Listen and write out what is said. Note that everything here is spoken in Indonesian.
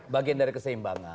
bagian dari keseimbangan